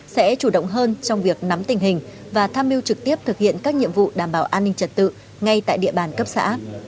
sẽ chủ động hơn trong việc nắm tình hình và tham mưu trực tiếp thực hiện các nhiệm vụ đảm bảo an ninh trật tự ngay tại địa bàn cấp xã